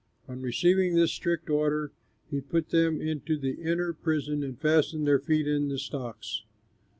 On receiving this strict order, he put them into the inner prison and fastened their feet in the stocks.